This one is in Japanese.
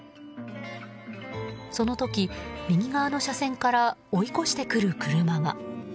その時、右側の車線から追い越してくる車が。